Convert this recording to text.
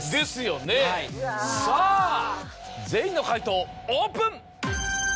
さぁ全員の解答オープン！